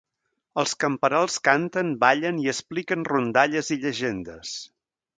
Els camperols canten, ballen i expliquen rondalles i llegendes.